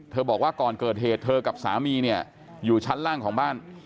บอกว่าก่อนเกิดเหตุเธอกับสามีเนี่ยอยู่ชั้นล่างของบ้าน